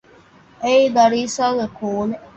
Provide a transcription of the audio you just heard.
އެއީ ލަރީސާގެ ކޯލެއް